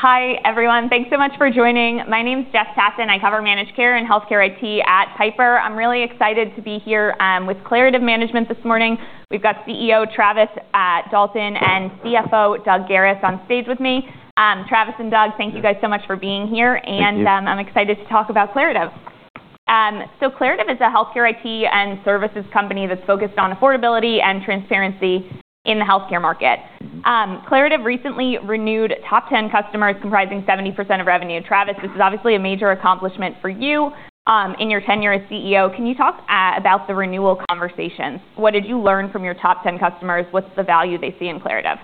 Hi, everyone. Thanks so much for joining. My name's Jess Tassin. I cover managed care and healthcare IT at Piper. I'm really excited to be here with Claritev Management this morning. We've got CEO Travis Dalton and CFO Doug Garis on stage with me. Travis and Doug, thank you guys so much for being here. Thank you. I'm excited to talk about Claritev. Claritev is a healthcare IT and services company that's focused on affordability and transparency in the healthcare market. Claritev recently renewed top 10 customers, comprising 70% of revenue. Travis, this is obviously a major accomplishment for you in your tenure as CEO. Can you talk about the renewal conversations? What did you learn from your top 10 customers? What's the value they see in Claritev?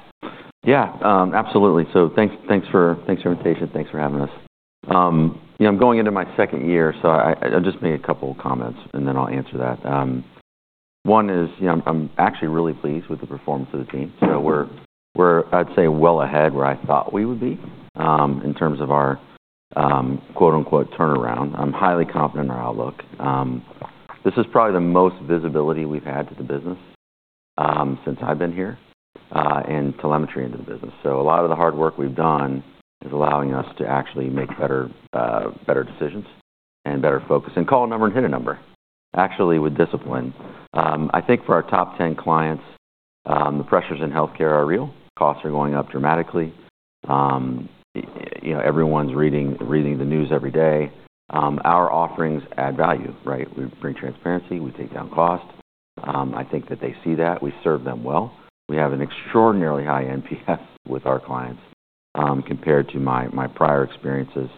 Yeah, absolutely. So thanks for the invitation. Thanks for having us. I'm going into my second year, so I'll just make a couple of comments, and then I'll answer that. One is I'm actually really pleased with the performance of the team. So we're, I'd say, well ahead where I thought we would be in terms of our "turnaround." I'm highly confident in our outlook. This is probably the most visibility we've had to the business since I've been here in telemetry into the business. So a lot of the hard work we've done is allowing us to actually make better decisions and better focus. And call a number and hit a number, actually, with discipline. I think for our top 10 clients, the pressures in healthcare are real. Costs are going up dramatically. Everyone's reading the news every day. Our offerings add value, right? We bring transparency. We take down cost. I think that they see that. We serve them well. We have an extraordinarily high NPS with our clients compared to my prior experiences,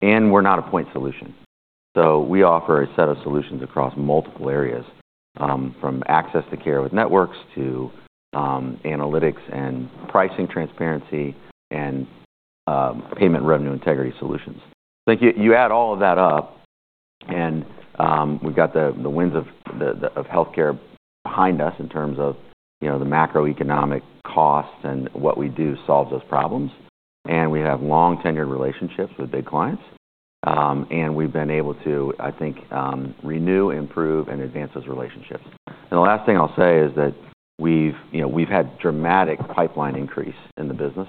and we're not a point solution. So we offer a set of solutions across multiple areas, from access to care with networks to analytics and pricing transparency and payment revenue integrity solutions, so you add all of that up, and we've got the winds of healthcare behind us in terms of the macroeconomic costs and what we do solves those problems, and we have long-tenured relationships with big clients, and we've been able to, I think, renew, improve, and advance those relationships, and the last thing I'll say is that we've had dramatic pipeline increase in the business,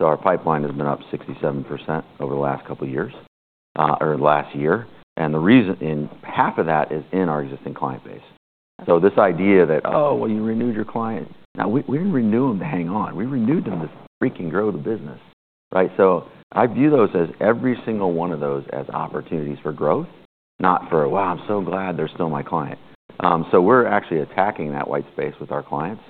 so our pipeline has been up 67% over the last couple of years or last year. And half of that is in our existing client base. So this idea that, "Oh, well, you renewed your client." Now, we didn't renew them to hang on. We renewed them to freaking grow the business, right? So I view those as every single one of those as opportunities for growth, not for, "Wow, I'm so glad they're still my client." So we're actually attacking that white space with our clients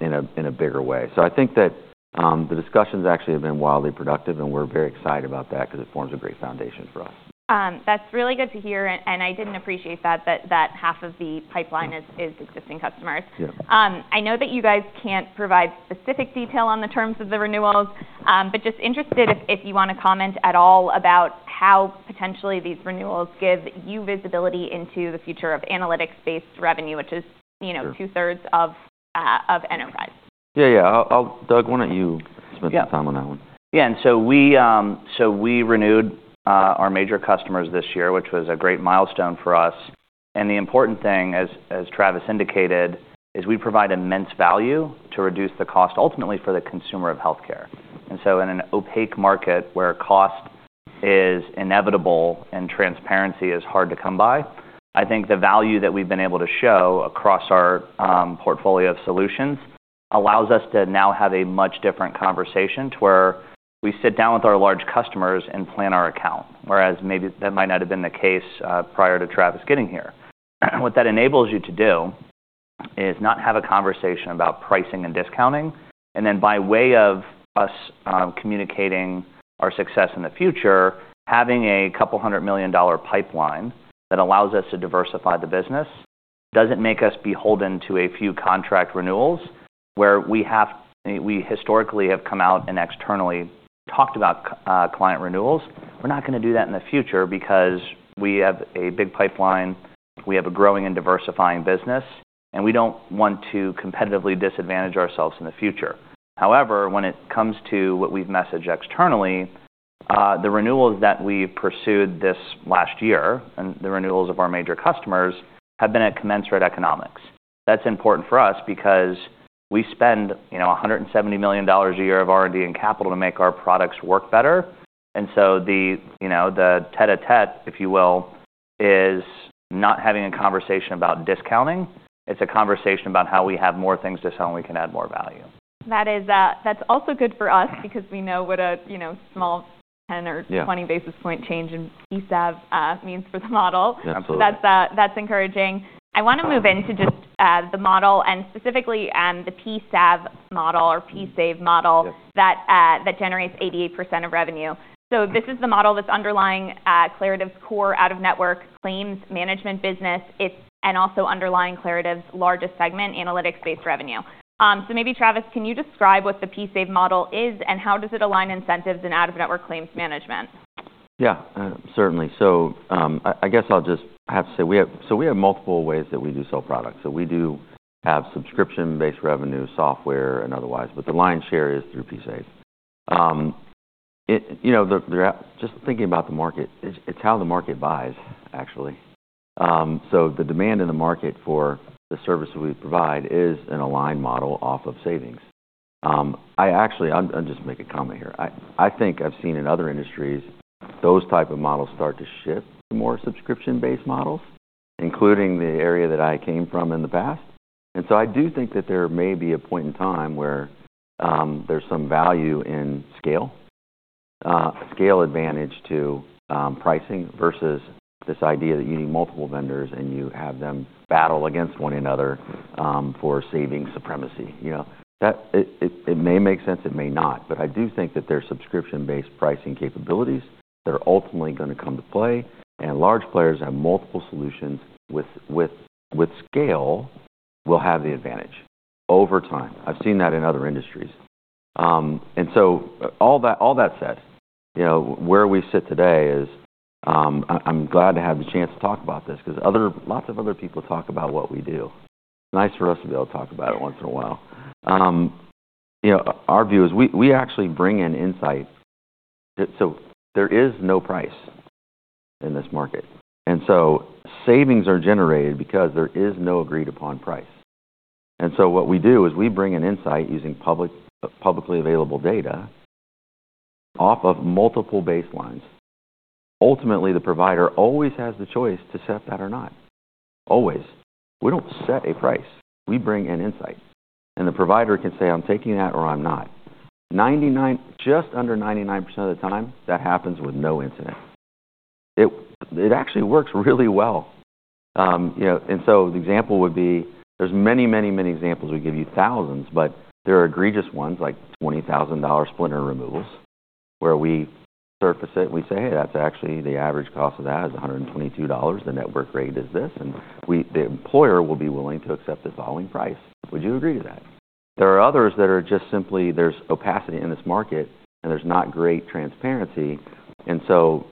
in a bigger way. So I think that the discussions actually have been wildly productive, and we're very excited about that because it forms a great foundation for us. That's really good to hear, and I didn't appreciate that, that half of the pipeline is existing customers. I know that you guys can't provide specific detail on the terms of the renewals, but just interested if you want to comment at all about how potentially these renewals give you visibility into the future of analytics-based revenue, which is two-thirds of enterprise? Yeah, yeah. Doug, why don't you spend some time on that one? Yeah. And so we renewed our major customers this year, which was a great milestone for us. And the important thing, as Travis indicated, is we provide immense value to reduce the cost ultimately for the consumer of healthcare. And so in an opaque market where cost is inevitable and transparency is hard to come by, I think the value that we've been able to show across our portfolio of solutions allows us to now have a much different conversation to where we sit down with our large customers and plan our account, whereas maybe that might not have been the case prior to Travis getting here. What that enables you to do is not have a conversation about pricing and discounting. Then by way of us communicating our success in the future, having a couple hundred million dollar pipeline that allows us to diversify the business doesn't make us be holden to a few contract renewals where we historically have come out and externally talked about client renewals. We're not going to do that in the future because we have a big pipeline. We have a growing and diversifying business, and we don't want to competitively disadvantage ourselves in the future. However, when it comes to what we've messaged externally, the renewals that we pursued this last year and the renewals of our major customers have been at commensurate economics. That's important for us because we spend $170 million a year of R&D and capital to make our products work better. So the tête-à-tête, if you will, is not having a conversation about discounting. It's a conversation about how we have more things to sell and we can add more value. That's also good for us because we know what a small 10 or 20 basis point change in PSAV means for the model. Absolutely. So that's encouraging. I want to move into just the model and specifically the PSAV model or PSAV model that generates 88% of revenue. So this is the model that's underlying Claritev's core out-of-network claims management business and also underlying Claritev's largest segment, analytics-based revenue. So maybe, Travis, can you describe what the PSAV model is and how does it align incentives and out-of-network claims management? Yeah, certainly. So I guess I'll just have to say, so we have multiple ways that we do sell products. So we do have subscription-based revenue, software, and otherwise, but the lion's share is through PSAV. Just thinking about the market, it's how the market buys, actually. So the demand in the market for the service we provide is an aligned model off of savings. Actually, I'll just make a comment here. I think I've seen in other industries those types of models start to shift to more subscription-based models, including the area that I came from in the past. And so I do think that there may be a point in time where there's some value in scale, scale advantage to pricing versus this idea that you need multiple vendors and you have them battle against one another for savings supremacy. It may make sense. It may not. But I do think that there are subscription-based pricing capabilities that are ultimately going to come to play. And large players have multiple solutions with scale will have the advantage over time. I've seen that in other industries. And so all that said, where we sit today is I'm glad to have the chance to talk about this because lots of other people talk about what we do. It's nice for us to be able to talk about it once in a while. Our view is we actually bring in insight. So there is no price in this market. And so savings are generated because there is no agreed-upon price. And so what we do is we bring in insight using publicly available data off of multiple baselines. Ultimately, the provider always has the choice to set that or not. Always. We don't set a price. We bring in insight. The provider can say, "I'm taking that," or, "I'm not." Just under 99% of the time, that happens with no incident. It actually works really well. The example would be there's many, many, many examples. We give you thousands, but there are egregious ones like $20,000 splinter removals where we surface it and we say, "Hey, that's actually the average cost of that is $122. The network rate is this." The employer will be willing to accept the following price. Would you agree to that? There are others that are just simply there's opacity in this market, and there's not great transparency.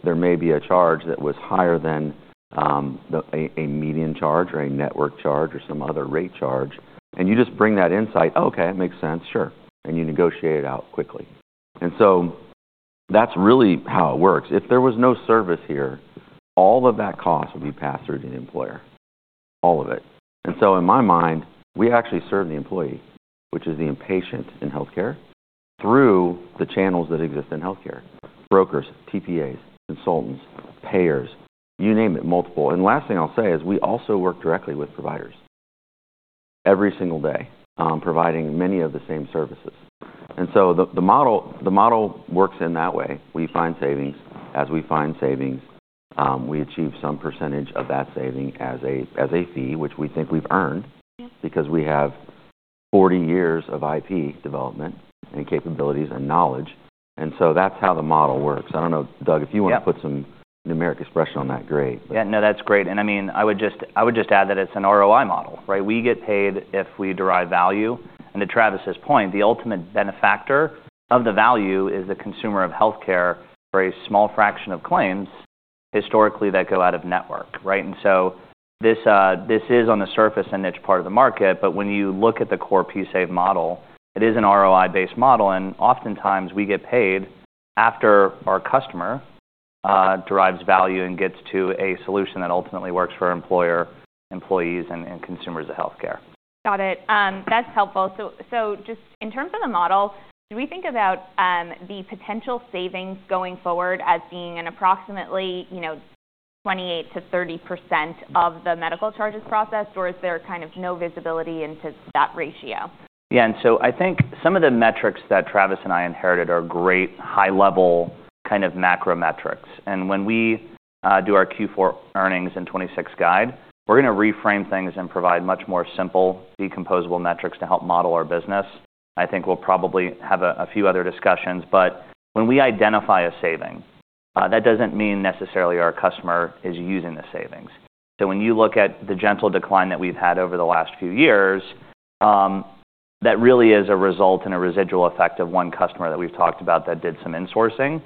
There may be a charge that was higher than a median charge or a network charge or some other rate charge. You just bring that insight, "Okay, it makes sense. Sure." You negotiate it out quickly. And so that's really how it works. If there was no service here, all of that cost would be passed through to the employer, all of it. And so in my mind, we actually serve the employee, which is the patient in healthcare, through the channels that exist in healthcare: brokers, TPAs, consultants, payers, you name it, multiple. And the last thing I'll say is we also work directly with providers every single day, providing many of the same services. And so the model works in that way. We find savings. As we find savings, we achieve some percentage of that saving as a fee, which we think we've earned because we have 40 years of IP development and capabilities and knowledge. And so that's how the model works. I don't know, Doug, if you want to put some numeric expression on that, great. Yeah, no, that's great, and I mean, I would just add that it's an ROI model, right? We get paid if we derive value, and to Travis's point, the ultimate benefactor of the value is the consumer of healthcare for a small fraction of claims historically that go out-of-network, right, and so this is, on the surface, a niche part of the market, but when you look at the core PSAV model, it is an ROI-based model, and oftentimes, we get paid after our customer derives value and gets to a solution that ultimately works for employers, employees, and consumers of healthcare. Got it. That's helpful. So just in terms of the model, do we think about the potential savings going forward as being an approximately 28%-30% of the medical charges processed, or is there kind of no visibility into that ratio? Yeah, and so I think some of the metrics that Travis and I inherited are great high-level kind of macro metrics. When we do our Q4 earnings and 2026 guide, we're going to reframe things and provide much more simple, decomposable metrics to help model our business. I think we'll probably have a few other discussions. When we identify a saving, that doesn't mean necessarily our customer is using the savings. When you look at the gentle decline that we've had over the last few years, that really is a result and a residual effect of one customer that we've talked about that did some insourcing.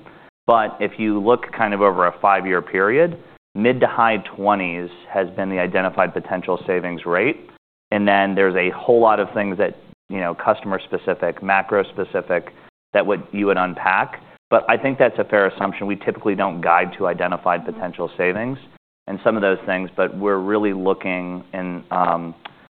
If you look kind of over a five-year period, mid-high-20s has been the identified potential savings rate. Then there's a whole lot of things that customer-specific, macro-specific that you would unpack. But I think that's a fair assumption. We typically don't guide to identified potential savings and some of those things. But we're really looking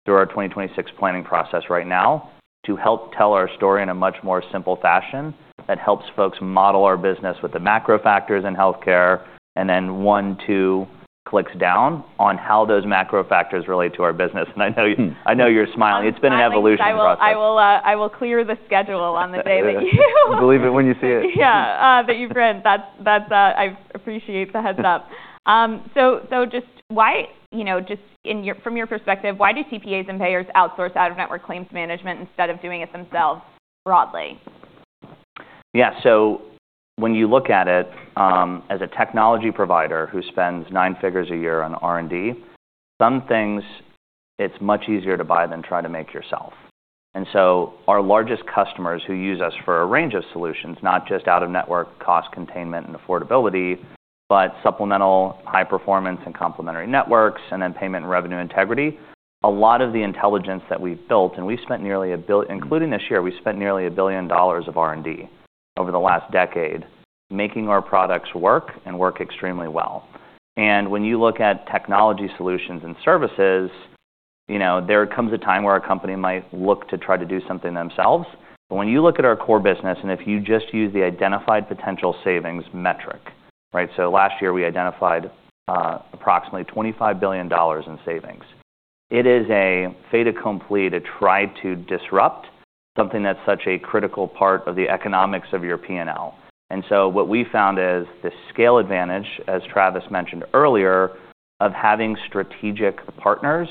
through our 2026 planning process right now to help tell our story in a much more simple fashion that helps folks model our business with the macro factors in healthcare and then one, two clicks down on how those macro factors relate to our business. And I know you're smiling. It's been an evolution process. I wil clear the schedule on the day that you. Believe it when you see it. Yeah, that you've written. I appreciate the heads-up. So just from your perspective, why do TPAs and payers outsource out-of-network claims management instead of doing it themselves broadly? Yeah. So when you look at it as a technology provider who spends nine figures a year on R&D, some things it's supplemental high-performance and complementary networks, and then payment and revenue integritymuch easier to buy than try to make yourself. And so our largest customers who use us for a range of solutions, not just out-of-network cost containment and affordability, but supplemental high-performance and complementary networks, and then payment and revenue integrity, a lot of the intelligence that we've built and we've spent nearly a billion dollars of R&D over the last decade making our products work and work extremely well. And when you look at technology solutions and services, there comes a time where a company might look to try to do something themselves. But when you look at our core business, and if you just use the identified potential savings metric, right? So last year, we identified approximately $25 billion in savings. It is a fait accompli to try to disrupt something that's such a critical part of the economics of your P&L. And so what we found is the scale advantage, as Travis mentioned earlier, of having strategic partners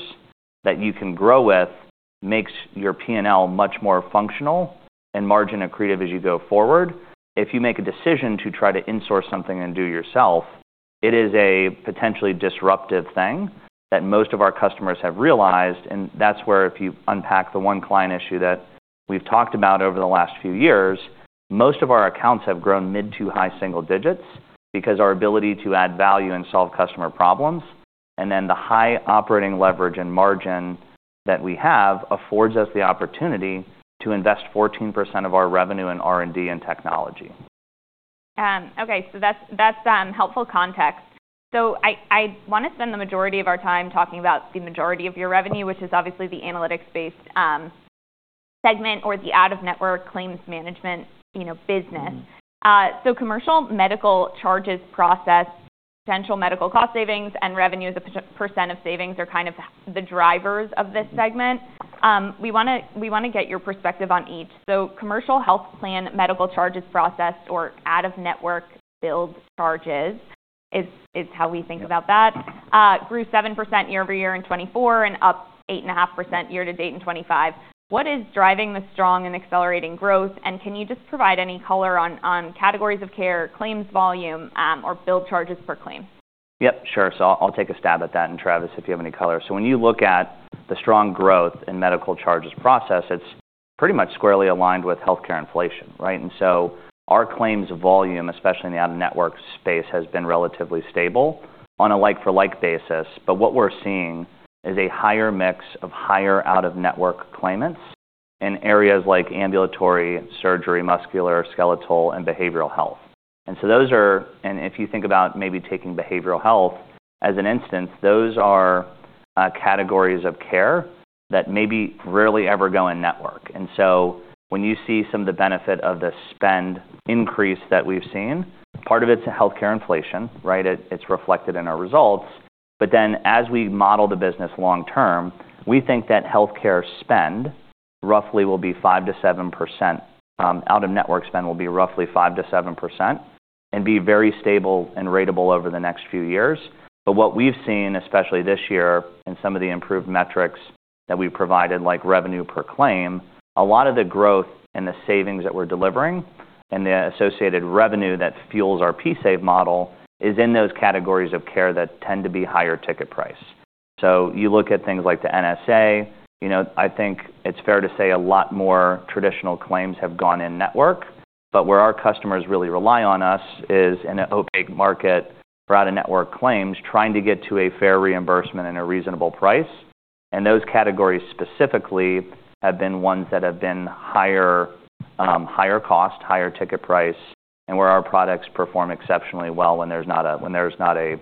that you can grow with makes your P&L much more functional and margin accretive as you go forward. If you make a decision to try to insource something and do yourself, it is a potentially disruptive thing that most of our customers have realized. That's where if you unpack the one client issue that we've talked about over the last few years, most of our accounts have grown mid to high single digits because our ability to add value and solve customer problems and then the high operating leverage and margin that we have affords us the opportunity to invest 14% of our revenue in R&D and technology. Okay. So that's helpful context. So I want to spend the majority of our time talking about the majority of your revenue, which is obviously the analytics-based segment or the out-of-network claims management business. So commercial medical charges process, potential medical cost savings, and revenue as a % of savings are kind of the drivers of this segment. We want to get your perspective on each. So commercial health plan medical charges process or out-of-network billed charges is how we think about that, grew 7% year over year in 2024 and up 8.5% year to date in 2025. What is driving the strong and accelerating growth? And can you just provide any color on categories of care, claims volume, or billed charges per claim? Yep, sure. So I'll take a stab at that and, Travis, if you have any color. So when you look at the strong growth in medical charges processed, it's pretty much squarely aligned with healthcare inflation, right? And so our claims volume, especially in the out-of-network space, has been relatively stable on a like-for-like basis. But what we're seeing is a higher mix of higher out-of-network claims in areas like ambulatory surgery, musculoskeletal, and behavioral health. And so those are, and if you think about maybe taking behavioral health as an instance, those are categories of care that maybe rarely ever go in-network. And so when you see some of the benefit of the spend increase that we've seen, part of it's healthcare inflation, right? It's reflected in our results. But then as we model the business long-term, we think that healthcare spend roughly will be 5%-7%. Out-of-network spend will be roughly 5%-7% and be very stable and ratable over the next few years. But what we've seen, especially this year in some of the improved metrics that we've provided, like revenue per claim, a lot of the growth and the savings that we're delivering and the associated revenue that fuels our PSAV model is in those categories of care that tend to be higher ticket price. So you look at things like the NSA. I think it's fair to say a lot more traditional claims have gone in-network. But where our customers really rely on us is in an opaque market for out-of-network claims trying to get to a fair reimbursement and a reasonable price. Those categories specifically have been ones that have been higher cost, higher ticket price, and where our products perform exceptionally well when there's not a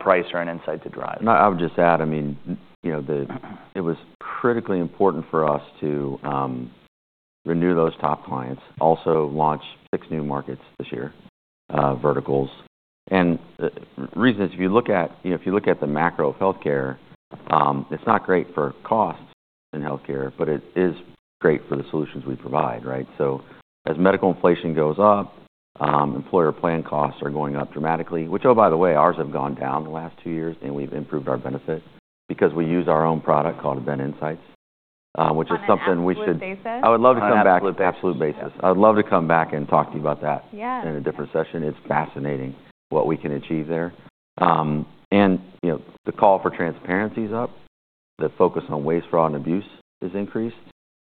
price or an insight to drive. I would just add, I mean, it was critically important for us to renew those top clients, also launch six new markets this year, verticals. The reason is if you look at the macro of healthcare, it's not great for cost in healthcare, but it is great for the solutions we provide, right? So as medical inflation goes up, employer plan costs are going up dramatically, which, oh, by the way, ours have gone down the last two years, and we've improved our benefit because we use our own product called BenInsights, which is something we should. Absolute basis. I would love to come back. Absolute basis. Absolute basis. I would love to come back and talk to you about that in a different session. It's fascinating what we can achieve there. The call for transparency is up. The focus on waste, fraud, and abuse is increased.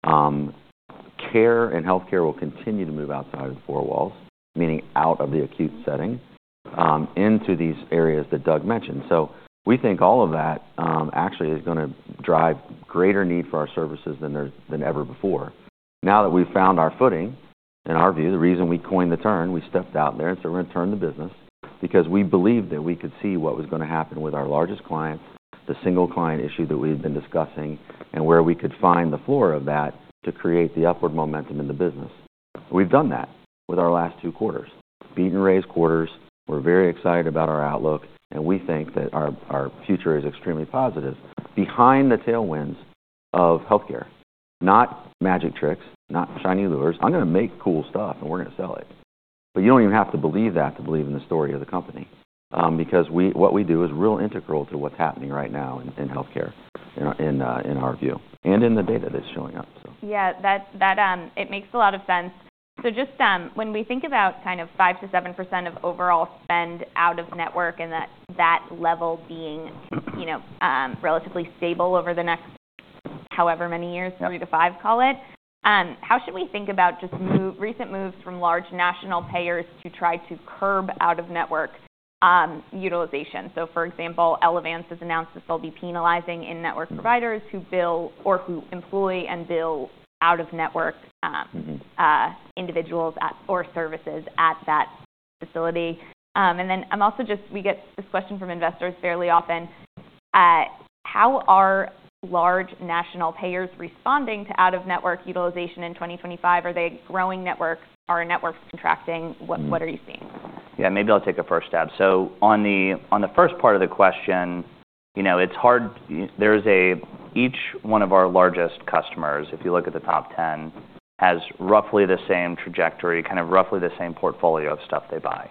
Care and healthcare will continue to move outside of the four walls, meaning out of the acute setting into these areas that Doug mentioned. We think all of that actually is going to drive greater need for our services than ever before. Now that we've found our footing and our view, the reason we coined the term, we stepped out there, and so we're going to turn the business because we believed that we could see what was going to happen with our largest clients, the single client issue that we've been discussing, and where we could find the floor of that to create the upward momentum in the business. We've done that with our last two quarters, beat-and-raise quarters. We're very excited about our outlook, and we think that our future is extremely positive behind the tailwinds of healthcare, not magic tricks, no shiny lures. I'm going to make cool stuff, and we're going to sell it. But you don't even have to believe that to believe in the story of the company, because what we do is real integral to what's happening right now in healthcare, in our view and in the data that's showing up, so. Yeah. It makes a lot of sense. So just when we think about kind of 5%-7% of overall spend out-of-network and that level being relatively stable over the next however many years, three to five call it, how should we think about just recent moves from large national payers to try to curb out-of-network utilization? So for example, Elevance has announced that they'll be penalizing in-network providers who bill or who employ and bill out-of-network individuals or services at that facility. And then I'm also just we get this question from investors fairly often. How are large national payers responding to out-of-network utilization in 2025? Are they growing networks? Are networks contracting? What are you seeing? Yeah. Maybe I'll take a first stab. So on the first part of the question, it's hard. Each one of our largest customers, if you look at the top 10, has roughly the same trajectory, kind of roughly the same portfolio of stuff they buy.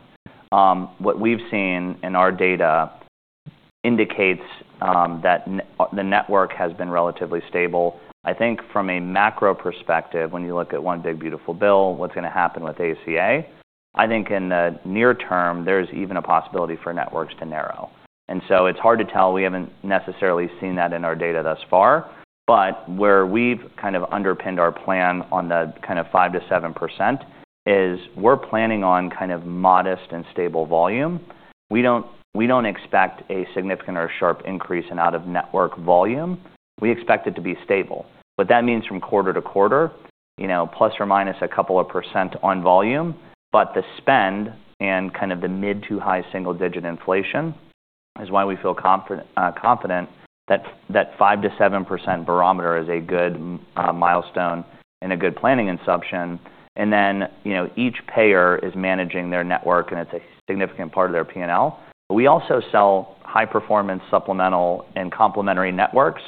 What we've seen in our data indicates that the network has been relatively stable. I think from a macro perspective, when you look at one big beautiful bill, what's going to happen with ACA, I think in the near term, there's even a possibility for networks to narrow. And so it's hard to tell. We haven't necessarily seen that in our data thus far. But where we've kind of underpinned our plan on the kind of 5%-7% is we're planning on kind of modest and stable volume. We don't expect a significant or sharp increase in out-of-network volume. We expect it to be stable. What that means from quarter to quarter, plus or minus a couple of percent on volume. But the spend and kind of the mid to high single-digit inflation is why we feel confident that that 5%-7% barometer is a good milestone and a good planning assumption. And then each payer is managing their network, and it's a significant part of their P&L. But we also sell high-performance supplemental and complementary networks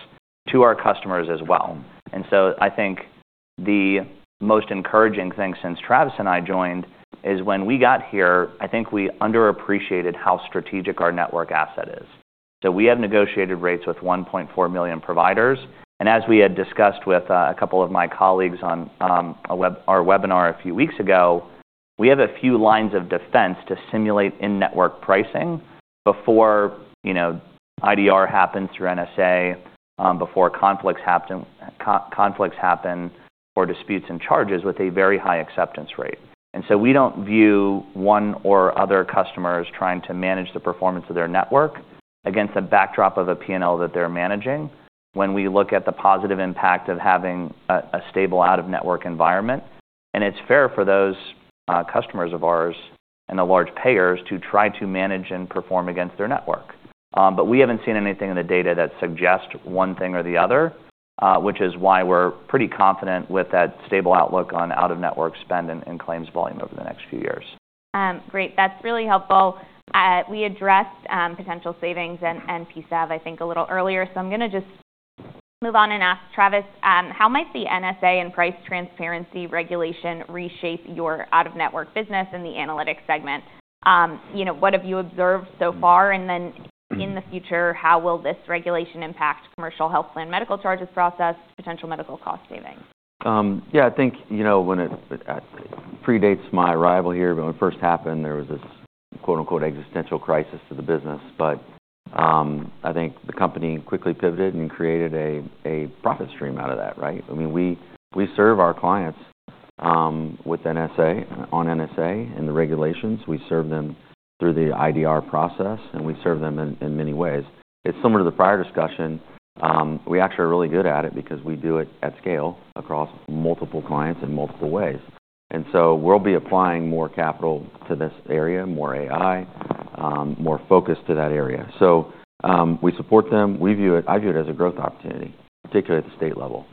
to our customers as well. And so I think the most encouraging thing since Travis and I joined is when we got here, I think we underappreciated how strategic our network asset is. So we have negotiated rates with 1.4 million providers. And as we had discussed with a couple of my colleagues on our webinar a few weeks ago, we have a few lines of defense to simulate in-network pricing before IDR happens through NSA, before conflicts happen or disputes and charges with a very high acceptance rate. And so we don't view one or other customers trying to manage the performance of their network against a backdrop of a P&L that they're managing when we look at the positive impact of having a stable out-of-network environment. And it's fair for those customers of ours and the large payers to try to manage and perform against their network. But we haven't seen anything in the data that suggests one thing or the other, which is why we're pretty confident with that stable outlook on out-of-network spend and claims volume over the next few years. Great. That's really helpful. We addressed potential savings and PSAV, I think, a little earlier. So I'm going to just move on and ask Travis, how might the NSA and price transparency regulation reshape your out-of-network business in the analytics segment? What have you observed so far? And then in the future, how will this regulation impact commercial health plan medical charges processed, potential medical cost savings? Yeah. I think when it predates my arrival here, when it first happened, there was this "existential crisis" to the business. But I think the company quickly pivoted and created a profit stream out of that, right? I mean, we serve our clients with NSA on NSA and the regulations. We serve them through the IDR process, and we serve them in many ways. It's similar to the prior discussion. We actually are really good at it because we do it at scale across multiple clients in multiple ways. And so we'll be applying more capital to this area, more AI, more focus to that area. So we support them. I view it as a growth opportunity, particularly at the state level.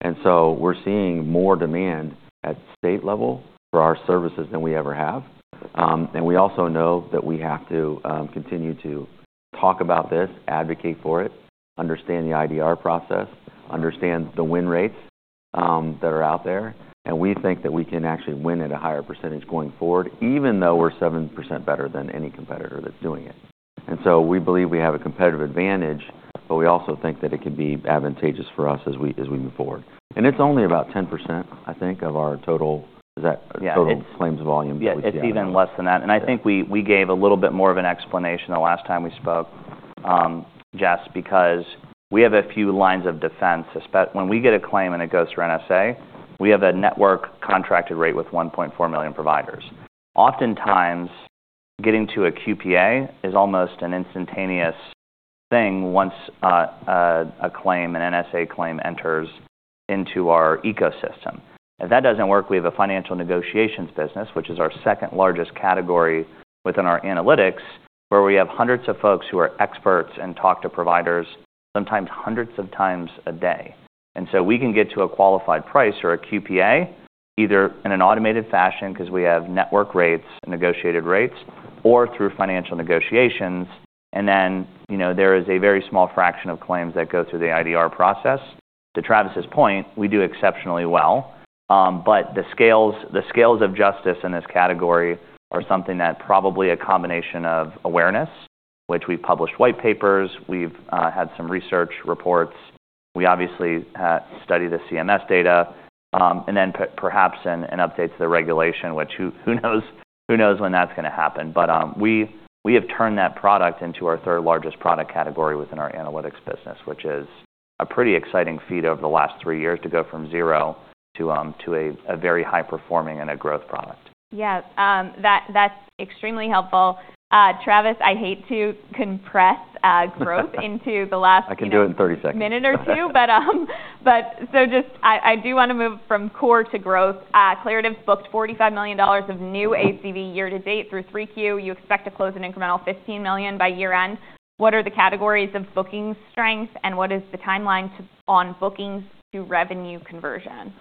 And so we're seeing more demand at state level for our services than we ever have. And we also know that we have to continue to talk about this, advocate for it, understand the IDR process, understand the win rates that are out there. And we think that we can actually win at a higher percentage going forward, even though we're seven% better than any competitor that's doing it. And so we believe we have a competitive advantage, but we also think that it could be advantageous for us as we move forward. And it's only about 10%, I think, of our total claims volume. Yes. It's even less than that. And I think we gave a little bit more of an explanation the last time we spoke just because we have a few lines of defense. When we get a claim and it goes through NSA, we have a network contracted rate with 1.4 million providers. Oftentimes, getting to a QPA is almost an instantaneous thing once an NSA claim enters into our ecosystem. If that doesn't work, we have a financial negotiations business, which is our second largest category within our analytics, where we have hundreds of folks who are experts and talk to providers sometimes hundreds of times a day. And so we can get to a qualified price or a QPA either in an automated fashion because we have network rates, negotiated rates, or through financial negotiations. And then there is a very small fraction of claims that go through the IDR process. To Travis's point, we do exceptionally well. But the scales of justice in this category are something that probably a combination of awareness, which we've published white papers, we've had some research reports, we obviously study the CMS data, and then perhaps an update to the regulation, which, who knows, when that's going to happen. But we have turned that product into our third largest product category within our analytics business, which is a pretty exciting feat over the last three years to go from zero to a very high-performing and a growth product. Yeah. That's extremely helpful. Travis, I hate to compress growth into the last. I can do it in 30 seconds. minute or two. But so just I do want to move from core to growth. Claritev's booked $45 million of new ACV year to date through 3Q. You expect to close an incremental $15 million by year-end. What are the categories of booking strength, and what is the timeline on bookings to revenue conversion?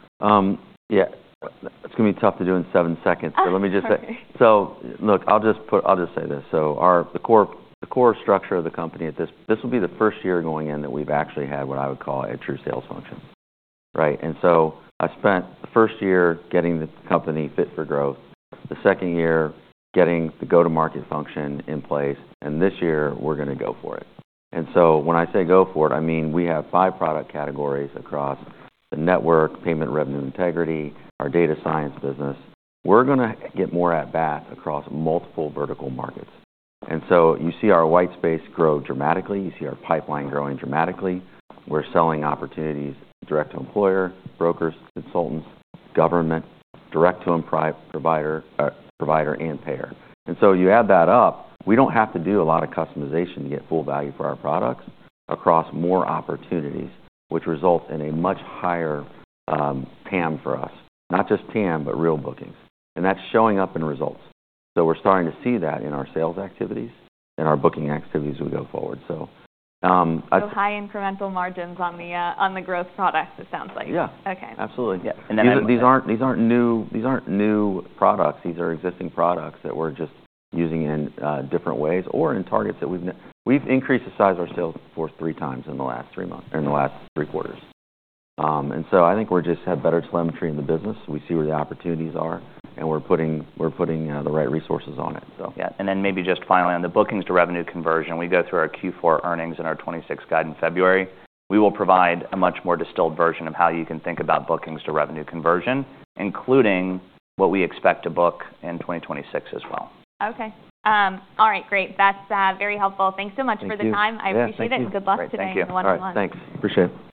Yeah. It's going to be tough to do in seven seconds. So let me just say. That's okay. So look, I'll just say this. So the core structure of the company at this will be the first year going in that we've actually had what I would call a true sales function, right? And so I spent the first year getting the company fit for growth, the second year getting the go-to-market function in place, and this year we're going to go for it. And so when I say go for it, I mean we have five product categories across the network, payment, revenue, integrity, our data science business. We're going to get more at bat across multiple vertical markets. And so you see our white space grow dramatically. You see our pipeline growing dramatically. We're selling opportunities direct to employer, brokers, consultants, government, direct to provider and payer. And so you add that up, we don't have to do a lot of customization to get full value for our products across more opportunities, which results in a much higher TAM for us, not just TAM, but real bookings. And that's showing up in results. So we're starting to see that in our sales activities and our booking activities as we go forward. So. So high incremental margins on the growth products, it sounds like. Yeah. Absolutely. These aren't new products. These are existing products that we're just using in different ways or in targets that we've increased the size of our sales force three times in the last three quarters. And so I think we just have better telemetry in the business. We see where the opportunities are, and we're putting the right resources on it, so. Yeah. And then maybe just finally on the bookings to revenue conversion, we go through our Q4 earnings and our 2026 guide in February. We will provide a much more distilled version of how you can think about bookings to revenue conversion, including what we expect to book in 2026 as well. Okay. All right. Great. That's very helpful. Thanks so much for the time. Thank you. I appreciate it. Good luck today. Thank you. Wonderful lunch. Thanks. Appreciate it.